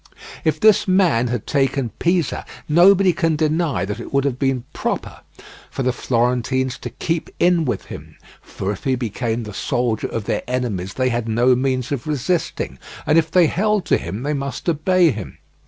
If this man had taken Pisa, nobody can deny that it would have been proper for the Florentines to keep in with him, for if he became the soldier of their enemies they had no means of resisting, and if they held to him they must obey him.